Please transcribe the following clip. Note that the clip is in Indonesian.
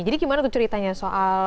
jadi gimana tuh ceritanya soal